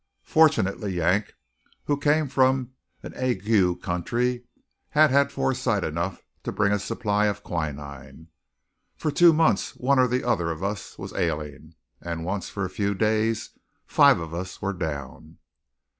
Fortunately Yank, who came from an ague country, had had foresight enough to bring a supply of quinine. For two months one or the other of us was ailing; and once for a few days five of us were down!